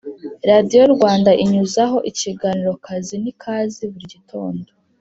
Radiyo Rwanda inyuzaho ikiganiro kazi nikazi buri gitondo